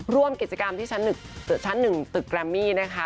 ร่วมกิจกรรมที่ชั้นหนึ่งชั้นหนึ่งตึกกรามมี่นะคะ